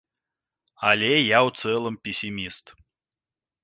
Але я ў цэлым песіміст.